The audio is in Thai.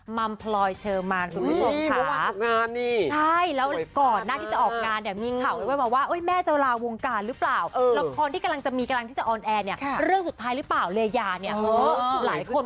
มามพรอยเชิมมานคุณผู้ชมค่ะอืซชีหม